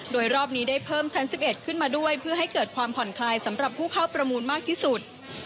โดยรอบนี้ได้เพิ่มชั้น๑๑ขึ้นมาด้วยเพื่อให้เกิดความผ่อนคลายสำหรับผู้เข้าประมูลมากที่สุด